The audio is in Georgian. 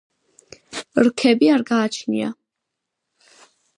რქები არ გააჩნია.